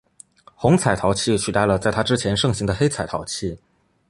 红彩陶器取代了在它之前盛行的黑彩陶器。